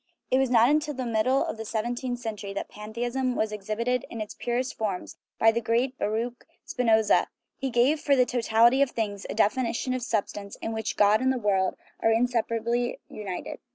It was not until the middle of the seventeenth century that pantheism was exhibited in its purest form by the great Baruch Spinoza ; he gave for the totality of things a definition of substance in which God and the world are inseparably united.